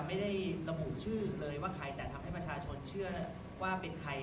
ไม่ได้ระบุชื่อเลยว่าใครแต่ทำให้ประชาชนเชื่อว่าเป็นใคร